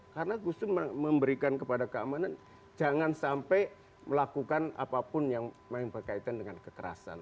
karena gus dur memberikan kepada keamanan jangan sampai melakukan apapun yang paling berkaitan dengan kekerasan